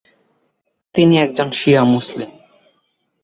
তিনি একজন শিয়া মুসলিম।